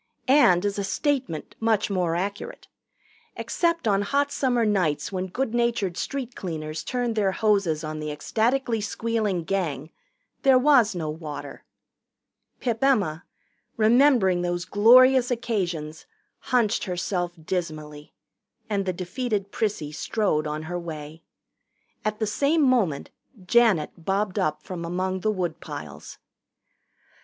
And, as a statement, much more accurate. Except on hot summer nights when good natured street cleaners turned their hoses on the ecstatically squealing Gang, there was no water. Pip Emma, remembering those glorious occasions, hunched herself dismally, and the defeated Prissy strode on her way. At the same moment Janet bobbed up from among the woodpiles.